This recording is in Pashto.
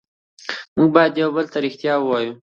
موږ باید یو بل ته ریښتیا ووایو